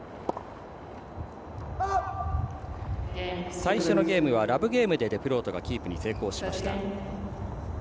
最初のゲームはラブゲームでデフロートがキープに成功しました。